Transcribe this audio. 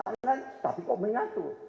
saya kira kenapa yang menyatu